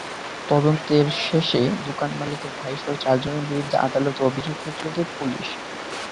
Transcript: তদন্ত শেষে দোকান মালিকের ভাইসহ চারজনের বিরুদ্ধে আদালতে অভিযোগপত্র দেয় পুলিশ।